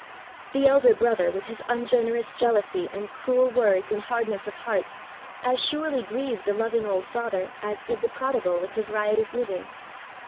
The elder brother, with his ungener ous jealousy and cruel words and hardness of heart, as surely grieved the loving old father as did the prodigal with his riotous living.